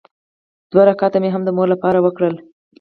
دوه رکعته مې هم د مور لپاره وکړل.